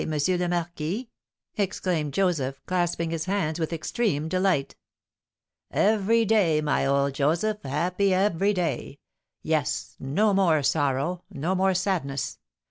le Marquis?" exclaimed Joseph, clasping his hands with extreme delight. "Every day, my old Joseph, happy every day. Yes, no more sorrow, no more sadness.